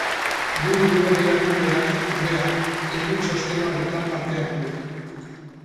Buru duen erakundeak, ordea, ez du txosten horretan parte hartu.